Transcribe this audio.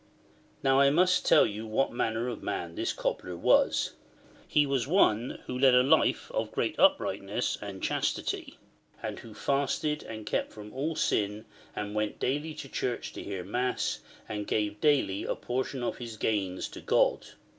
Now I must tell you what manner of man this Cobler was. He was one who led a life of great uprightness and chastity, and who fasted and kept from all sin, and went daily to church to hear Mass, and gave daily a portion of his gains to God.